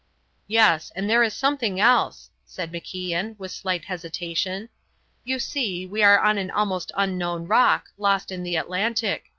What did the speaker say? "Yes, and there is something else," said MacIan, with slight hesitation. "You see, we are on an almost unknown rock, lost in the Atlantic.